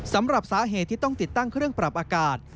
สำหรับสาเหตุที่ต้องติดตั้งเครื่องปรับอากาศ